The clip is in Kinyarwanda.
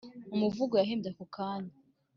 umuvugo yahimbye ako kanya